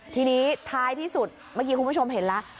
ทีนี้ท้ายที่สุดเมื่อกี้คุณผู้ชมเห็นแล้ว